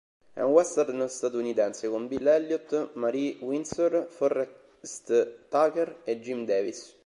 È un western statunitense con Bill Elliott, Marie Windsor, Forrest Tucker e Jim Davis.